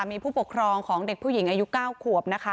มีผู้ปกครองของเด็กผู้หญิงอายุ๙ขวบนะคะ